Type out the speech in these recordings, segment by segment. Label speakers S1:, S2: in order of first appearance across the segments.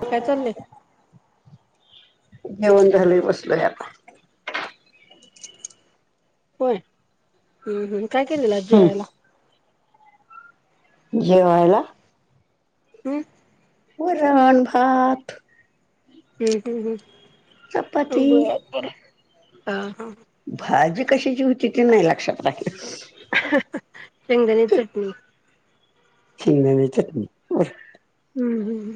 S1: ते
S2: काय चाललंय
S1: आहेच [unintelligible] जेवन झाली बसलोय आता.
S2: होय. हम्म. हम्. काय केलेलं आज जेवायला?
S1: हम्म जेवायला.
S2: हम.
S1: वरण-भात.
S2: हम्म. हम. हम. हा हा.
S1: भाजी कशाची होती? किती नाही. लक्षात राहील.
S2: शेंगदाणे चटणी
S1: शेंगदाण्याची चटणी.
S2: हम्म. हम.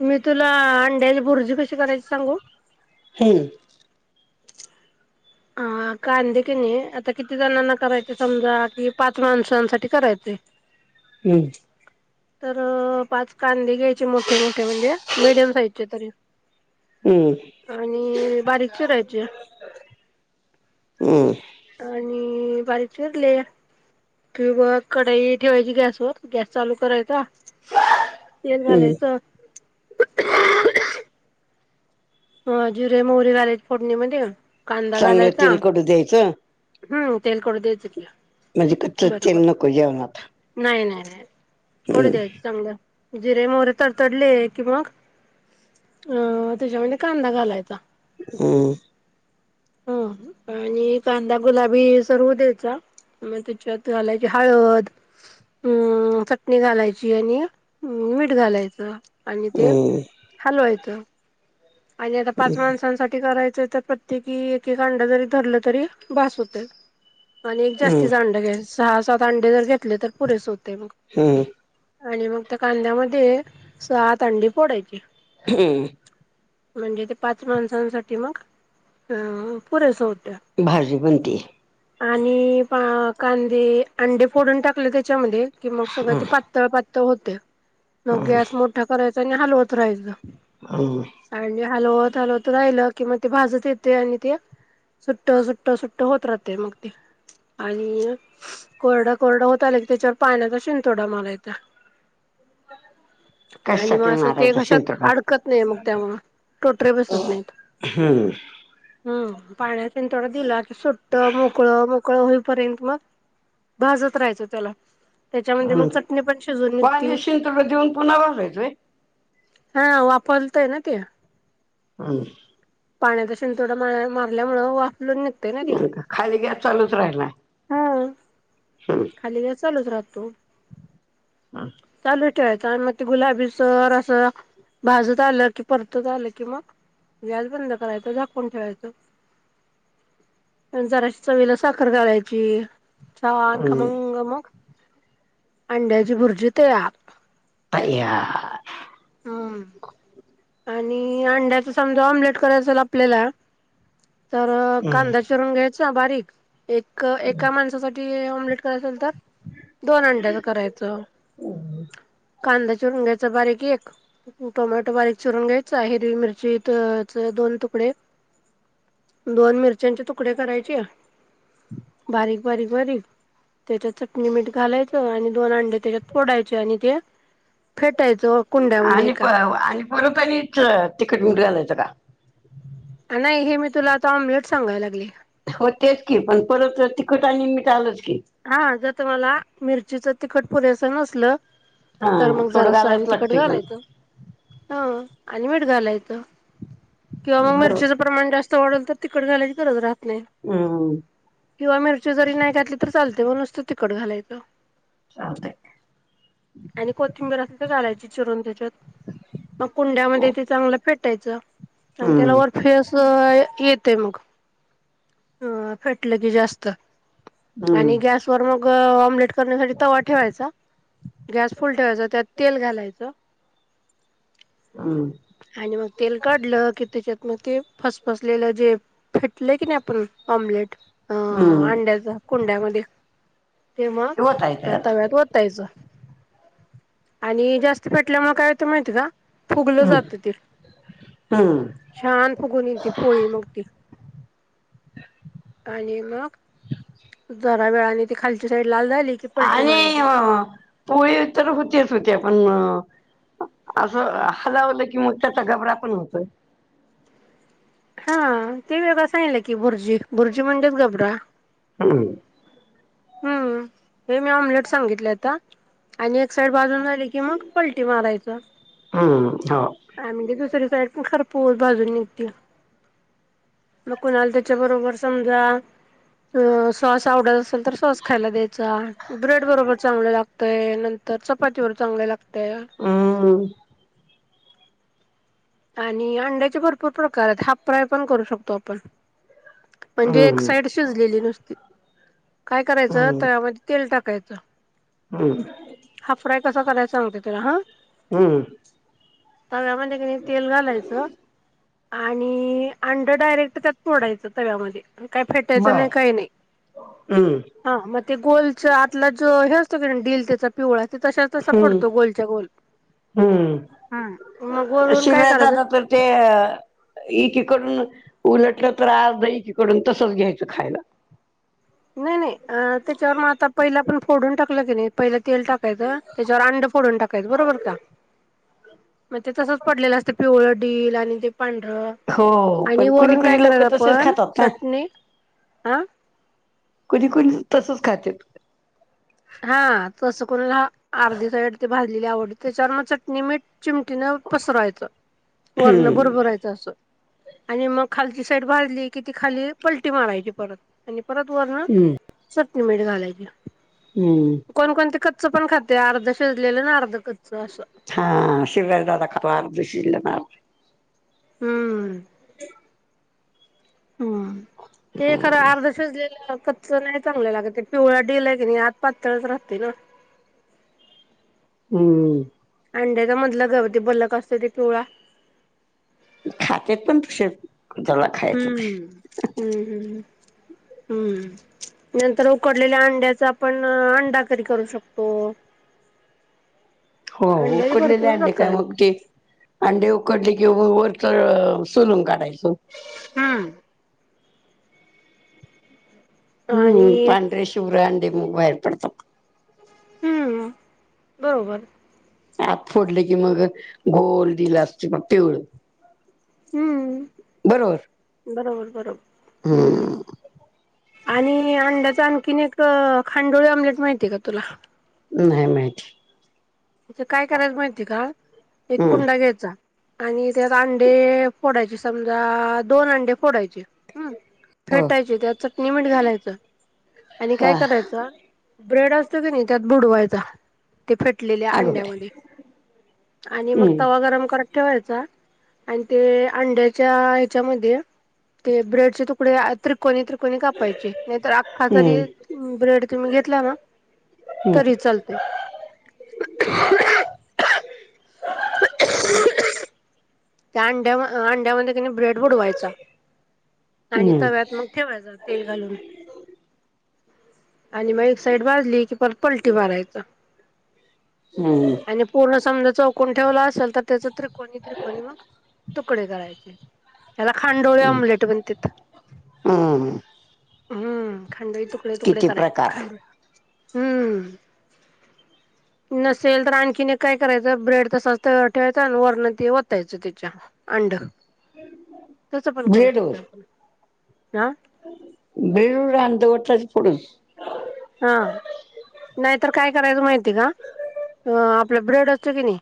S2: हम नाही तर. तुला अंड्याची बुर्जी कशी करायची सांगू.
S1: हम्म
S2: हा कांधे की नाही. आता किती जणांना करायचे समजा. हे पाच माणसांसाठी करायचंय.
S1: हम्म
S2: तर पाच कांदे घ्यायचे मोठे-मोठे म्हणजे. मीडियम साईजचे तरी.
S1: हम्म
S2: आणि बारीक चिरायचे.
S1: हम्म
S2: आणि बारीक चरले कि बघ कडाई ठेवायची गॅसवर. गॅस चालू करायचा. तेल
S1: हम्म.
S2: घालायच. ह जुरे मोहरीे घालायचे. फोटणीमध्ये कांदा
S1: चांगलं
S2: घालायचा.
S1: तेल कडू द्यायचं
S2: हम्म तेल कडुद्याचं.
S1: म्हणजे, कच्च तेल नको जेवणात. हम्म
S2: कडुद्यायचं चांगलं. जिरे, मोहरी तडतडले कि मग अं त्याच्यामध्ये कांदा घालायचा.
S1: हम.
S2: ह आणि कांदा गुलाबी सर्व द्यायचा मग ते तेच्यात घालाईची हळद. हम चटणी घालायची आणि मीठ घालायचं. आणि ते
S1: हम्म
S2: हलवायचं आणि आता पाच माणसांसाठी करायचं. प्रत्येकी एक एक अंड जरी धरलं तरी बास होतयं. आणि एक
S1: हम्म
S2: जास्तीतच अंडे घ्यायचं सहा सात अंडे जर घेतले तर पुरेस होते मग.
S1: हम्म
S2: आणि मग त्या कांद्यामध्ये सात अंडी फोडायची.
S1: हम
S2: म्हणजे ते पाच माणसांसाठी मग अ पुरेस होत.
S1: भाजी बनते.
S2: आणि पा आ कांदे अंडे फोडून टाकले, त्याच्यामध्ये कि मग सगळं ते पातळ पातळ ते होतयं, मग
S1: हम्म
S2: गॅस मोठा करायचा आणि हलवत राहायचं.
S1: हो ओ.
S2: आणि हलवत हलवत राहिलं कि म ते भाजत येतयं आणि ते सुट्ट सुट्ट सुट्ट होत राहतयं मग ते. आणि कोरडा कोरडा होत आला की त्याच्यावर पाण्याचा शिंतोडा मारायचा. आणि मग
S1: कशासाठी
S2: असं ते
S1: मारायचा
S2: घशात
S1: शिंतोडा
S2: अडकत नाही, मग त्यामुळं. टोटरे बसत नाहीत,
S1: हम्म
S2: हम पाण्यात आणि थोडं दिला की सुट्टं मोकळ काळ होईपर्यंत मग. भाजत राहायचं त्याला. त्याच्यामध्ये मग
S1: हम्म.
S2: चटणी पण शिजवून निघती.
S1: पाणी शिंतोडा देऊन पुन्हा भाजायचं व्हय?
S2: हा वाफवलतय ना ते.
S1: हम्म
S2: पाण्याचा शेणतोडा मारल्यामूळ वाफ ल निघतय ना ते.
S1: नाही का? खाली गॅस चालूच राहिला
S2: हम.
S1: हम्म.
S2: खाली गॅस चालूच राहतो. चालू ठेवायचा मग ते गुलाबीसर. अस भाजत आलं की. ते झालं की मग गॅस बंद करायच. झाकुन ठेवायचं. पण जराशी चवीला साखर घालायची. छान
S1: हम्म.
S2: खमंगं मग अंंडायाची. ची बुरजी तयार.
S1: तयार.
S2: हम्म. आणि अंड्याचा समजा ऑम्लेट कराय असल आपल्याला. तर कांदा चिरून घ्यायचा. चा बारीक एक-एका माणसासाठी ऑमलेट कय असल तर. दोन अंड्याच करायचं. कांदा चुरुन घ्याचा बारीक एक टोमॅटो बारीक चुरुंन घ्यायचं हिरवी मिरची त च दोन तुकडे. दोन मिरच्याांचे तुकडे करायचे बारीक, बारीक, बारीक. त्याच्या चटणी मीठ घालायचं. आणि दोन अंडे त्याच्यात फोडायचे आणि ते फेट- फेटायच कुंड्यामध्ये एका.
S1: बरतनीच तिखट मिट घलायचं का.
S2: नाही हे मी तुला आता ऑम्लेट सांगायला लागले.
S1: हो तेच की पण परत तिखट आणि मिट आलंच की
S2: हा जर त मला मिरचीच तिखट पुरेस नसल
S1: हा
S2: तर मग
S1: थोडं
S2: जरा सं आणी
S1: घालावंच
S2: तिकट
S1: लागतंय पण
S2: घालायच हा. आणि मीठ घालायचं किंवा मग
S1: बरोबर
S2: मिरचीचं प्रमाण जास्त वाढल, तर तिकट घालायची गरजच राहत
S1: हम्म
S2: किंवा मिरची जरी नाही घातली तरी चालतय म नुसतं तिकट घालायचं.
S1: चालतय.
S2: आणि कोथिंबीर असल तर घालायची चिरून त्याच्यात मग
S1: हो
S2: कुंड्यामध्ये ते चांगलं फेट कुटायच आणि
S1: हम्म
S2: त्यालावर फी अस येतय मग अ फेटलं की जास्त. आणि
S1: हम्म
S2: गॅस वर मग ऑमलेट. करण्यासाठी तवा ठेवायचा. गॅस फुल्ल ठेवायचा. त्यात तेल घालायचं.
S1: हम्म
S2: आणि मग तेल काढलं की त्याच्यात म ते फसफसलेलं जे फेटले की नाही आपण ऑमलेट.
S1: हं!
S2: त्यामदे ते मग त्या
S1: त्यात
S2: तव्यात वतायचं आणि जास्त पेटल्यामुळे काय होत माहिती का फुगलं
S1: हम्म
S2: जात ते
S1: हम्म
S2: छान फुगून येती पोळी मग ती. आणि मग. आ वेळानी ती खालची साईड. लाल झाली की पलटी
S1: आणि
S2: मारायची
S1: अ पोळी तर होतीच होती पण असं हलावलं कि मग त्याचा गबरा पण होतोय.
S2: हा ते वेगळं सांगितलं की. बुर्जी. बुर्जी म्हणजेच गबरा.
S1: हम् [unintelligible]
S2: हम्म. हे मी ऑमलेट सांगितलं आता. आणि एक साइड भाजून झाली की मंग पलटी मारायचं.
S1: हम्म हो
S2: आणि म्हणजे दुसरी तरी साईड पण. खरपूस बाजून निघती. मग कुणाला त्याच्या बरोबर समजा. अ सॉस आवडत असल. नंतर सॉस खायला द्यायचा. ब्रेड बरोबर चांगलं लागतंय. नंतर चपातीबरोबर चांगल लागतय.
S1: हम
S2: आणि अंड्याचे भरपूर प्रकार आहेत हाप-फ्राय पण करू शकतो आपण म्हणजे एक
S1: हम्म
S2: साईड शिजलेली नुसती काय करायचं तरमध्ये तेल टाक कायच.
S1: हम.
S2: कस करायच सांगते तुला हा.
S1: हम्म.
S2: तग म्हण की [unintelligible] घालायचं आणि ई. अंड डायरेक्ट त्यात फोडायचं तव्यामध्ये. काही फेटायचं
S1: बर
S2: नाही काही नाही. हा मग ते गोलच आतला जो हे असतो. का डील त्याचा. पिवळा ते त तसा पडतो गोलच्या गोल ह मग वरून काय करायचं
S1: जात तर ते [unintelligible] करुन उलटलं तर अर्ध एकीकडुन तसच घ्यायचं खायला.
S2: नाही नाही अ त्याच्यावर मग आता पहिला आपण फोडून टाकलं का नाही पण पहिलं तेल टाकायचं त्याच्यावर अंड फोडून टाकायचं बरोबर का. मग ते तसच पडून राहत. पांढर.
S1: हो
S2: आणि
S1: पण कुणी
S2: वरून काय
S1: कुणी लोक
S2: करायला
S1: तसेच
S2: पण
S1: खातात ना
S2: चटणी. आ.
S1: कुणी-कुणी तसच खातेत.
S2: हा तसं कोणाला अर्धी साईड ते भाजलेली आवडते. त्याच्यावर मग चटणी-मीट ची ते मग पसरायचं वरण
S1: हम्म
S2: बुरबुरराहायचं असं. आणि मग खालची साईड भाजली कि. ती खाली पलटी मारायची परत आणि. परत वरण
S1: हम्म
S2: चटणी मिेठ घालायच्या.
S1: हम्म
S2: कोणकोणते कच्च पण खाते. अर्ध शिजलेलं ना. अर्ध कच्च अस.
S1: हा शिवराज दादा खातो. अर्ध शिजलेल.
S2: हम्म.
S1: [inaudible]
S2: हम ते खरं अर्धशीजलेल. अ कच्चं नाही चांगलं लागत, ते पिवळं डील हाय की नाही आत पातळच राहते ना. [inaudible]
S1: हम्म
S2: अंड्याचा मधलं ग व ते बलक असतंय ते पिवळा.
S1: खातेत पण तशे.
S2: हम्म हम्म हम्म हम्म. नंतर उकडलेल्या अंड्याचं आपण अ अंडा करी करू शकतो.
S1: हो,
S2: अंड्याचे
S1: उकडलेले
S2: भरपूर
S1: अंडे काय
S2: प्रकार
S1: मग
S2: आहेत
S1: ते अंडे उकडली कि व वरचं सोलून काढायचं.
S2: हम्म
S1: हम्म,
S2: आणि
S1: पांढरे शुभ्र अंडे मग बाहेर पडतात.
S2: हम्म बरोबर.
S1: आत फोडले की मग गोल डील असतंय मग पिवळं.
S2: हम्म.
S1: बरोबर.
S2: बरोबर बरोब हम्म, आणि अंड्याचा आण किन एक अ खांडोळी आमलेट माहितीय का तुला?
S1: नाही माहिती.
S2: त्याचं काय करायचं माहितीय का? एक
S1: हम्म
S2: कुंडा घ्यायचा आणि त्यात अंडे फोडायचे समजा दोन अंडे फोडायचे, हम्म.
S1: हो
S2: फेटायची त्यात चटणी मिठ घालायचं आणि काय
S1: हा
S2: करायचं ब्रेड असतो की नाही त्यात बुडवायचा, ते फेट लेल्या
S1: अगं बाई
S2: अंड्यामध्ये, आणि मग तवा
S1: हम्म
S2: गरम करत ठेवाय चा आन ते अंड्याच्या हेच्या मध्ये ते ब्रेडचे तुकडे आ त्री त्रिकोणी त्रिकोणी कापायचे नाहीतर अख्खा जरी
S1: हम्म
S2: ब्रेड तुम्ही घेतला ना
S1: हम्म
S2: तरी चालतयं. त्या अंड्या अंड्यामध्ये किनइ ब्रेड बुडवायचा. आणि
S1: हम्म
S2: तव्यात मग ठेवायच तेल घालून. आणि मग एक साइड भाजली की परत पलटी मारायचं.
S1: हम्म
S2: आणि पूर्ण समजा चौकून ठेवला असेल, तर त्याच त्रिकोणी त्रिकोणी मग तुकडे करायचे त्याला खांडोळे
S1: हम्म
S2: ऑमलेट म्हणतेत.
S1: हम्म
S2: हम खांडोळी तुकडे तुकडे
S1: किती
S2: करायचे
S1: प्रकार
S2: खांडोळी हम. नसेल तर आणखीन काय करायचं ब्रेड तसाचं ठेवायचं आणि वरण ते वतायचं. अच्छा! अंड तस पण करू
S1: ब्रेडवर
S2: शकतोय, आपण आ.
S1: ब्रेडवर वर अंड ओतायच.
S2: हा नाहीतर काय करायचं माहितीय का? अ आपलं ब्रेड असतोय कि नाही.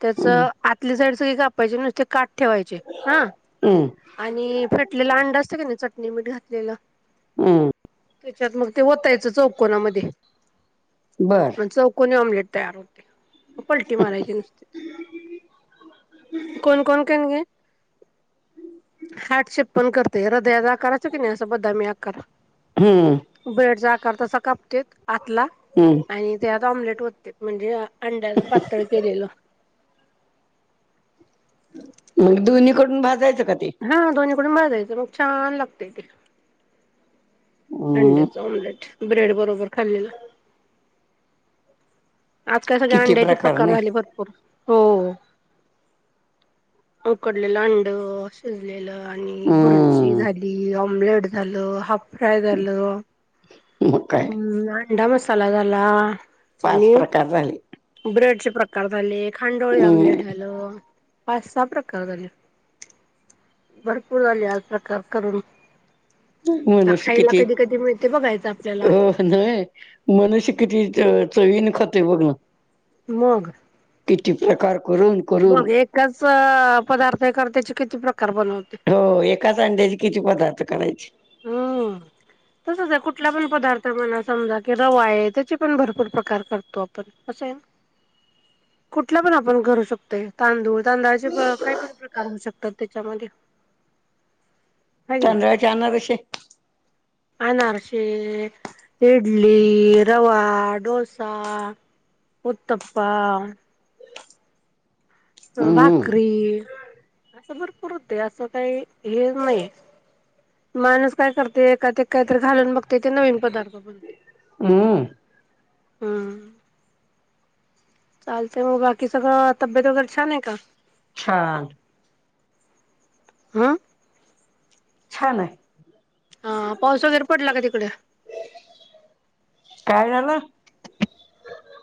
S2: त्याच
S1: हम्म
S2: आतली साईड सगळी कापायची नुसते काट ठेवायचे हा
S1: हम्म
S2: आणि फेटलेला अंड असत की नाही चटणी मीठ घातलेलं.
S1: हम.
S2: त्यात मग ते वतायचं चौकोनामध्ये
S1: बर
S2: म्ह चौकनी ऑमलेट तयार होते पलटी मारायची नुसतेच. कोण कोण करण घ हारडशेप पण करते हृदयाचा आकाराच की नाही असं बद्दा मी आकार
S1: हम्म
S2: भेट जा करता सका आतला
S1: हम्म
S2: आणि त्यात ऑमलेट होतते म्हणजे अंड्याच पातळ केलेलं.
S1: मग दोन्हीकडून भाजायचं. का ते
S2: हा दोन्हीकडून ब जाायचं मग छान लागतेय ते
S1: हम्म
S2: अंड्याच ऑमलेट ब्रेड बरोबर खाल्लेलं आज काय सगळे
S1: किती
S2: अंड्याचे प्रकार
S1: नाही
S2: झाले भरपूर हो उकडलेलं अंड शिजलेलं आणि भुर्जी
S1: हम्म
S2: झाली ऑमलेट झालं हा फ्रायल
S1: मग काय
S2: हम् अडा मसालागला
S1: पाच प्रकार झाले.
S2: ब्रेड चे प्रकार झाले खांडोळी आमलेट
S1: हम्म
S2: झालं. पाच सहा प्रकार झाले भरपूर झाले आज प्रकार करून आता
S1: मनुष
S2: खायला
S1: किती
S2: कधी कधी मिळते बघायचं आपल्याला
S1: अ नाही मनुष किती चवीन खाते बघण
S2: मग
S1: इीती प्रकार करून
S2: बघ
S1: करून
S2: एकाच पदार्थ त्या किती बनवते.
S1: हो एका अंड्याची किती पदार्थ करायचे.
S2: हम. तसच आहे कुठला पण पदार्थ मणा समजा कि रवा आहे. त्याचे पण भरपूर प्रकार करतो आपण असं आहे ना. [unintelligible] कुठला पण आपण करू शकतो तांदूळ तांदळाचे काही पण प्रकार होऊ शकतात, त्याच्यामध्ये [unintelligible]
S1: तांदळाचे अनारसे
S2: अनारसे, इडली रवा डोसा, उतपा, अ
S1: हम्म
S2: भाकरी, असं भरपूर होत असं काही हे नाही. माणूस काय करते, एकातएक काहीतरी घालून बघते ते नवीन पदार्थ बनते.
S1: हम्
S2: हम चालतंय मग बाकी सगळं तब्येत वगैरे छान आहे का.
S1: अ्छा
S2: हम
S1: छान आहे.
S2: हा पाऊस वगैरे पडला का तिकड
S1: काय झालं.